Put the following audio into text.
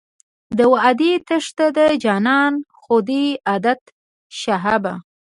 د وعدې تېښته د جانان خو دی عادت شهابه.